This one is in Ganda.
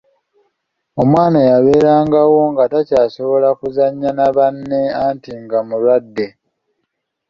Omwana yabeeranga awo nga takyasobola kuzannya na banne anti nga mulwadde.